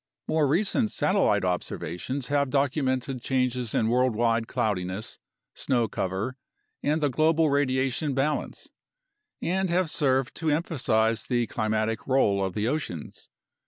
More recent satellite observations have documented changes in worldwide cloudiness, snow cover, and the global radiation balance and have served to emphasize the climatic role of the oceans.